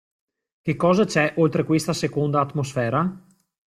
Che cosa c'è oltre questa seconda atmosfera?